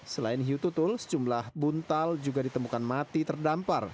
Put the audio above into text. selain hiu tutul sejumlah buntal juga ditemukan mati terdampar